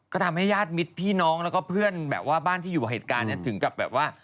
ก็ทำให้ญาติมิตรพี่น้องแล้วก็เพื่อนแบบว่าบ้านที่อยู่กับเหตุการณ์เนี่ยถึงกับแบบว่า